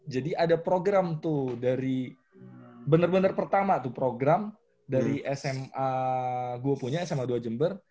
jadi ada program tuh dari bener bener pertama tuh program dari sma gua punya sma dua jeber